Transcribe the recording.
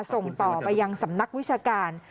ส่งต่อไปยังสำนักวิชาการ